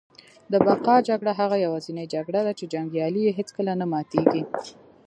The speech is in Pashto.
د بقا جګړه هغه یوازینۍ جګړه ده چي جنګیالی یې هیڅکله نه ماتیږي